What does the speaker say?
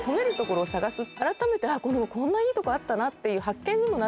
あらためて「この子こんないいとこあったな」っていう発見にもなるので。